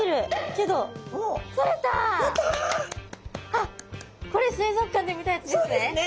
あっこれ水族館で見たやつですね。